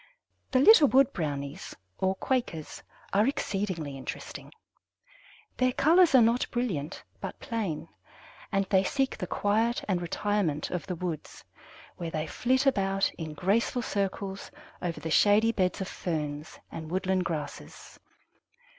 The "little wood brownies," or Quakers, are exceedingly interesting. Their colors are not brilliant, but plain, and they seek the quiet and retirement of the woods, where they flit about in graceful circles over the shady beds of ferns and woodland grasses.